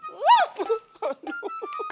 mau cowok seperti apa tuh